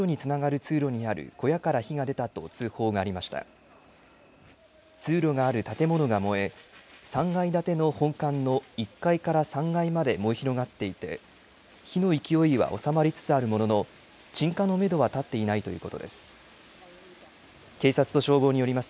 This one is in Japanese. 通路がある建物が燃え、３階建ての本館の１階から３階まで燃え広がっていて、火の勢いは収まりつつあるものの、鎮火のめどは立っていないということです。